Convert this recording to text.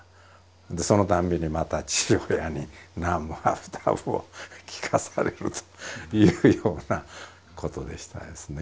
でそのたんびにまた父親に「ナムハブタブ」を聞かされるというようなことでしたですね。